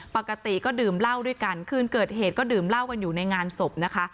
ปกติก็ดื่มเหล้าด้วยกันคืนเกิดเหตุก็ดื่มเหล้ากันอยู่ในงานศพนะคะ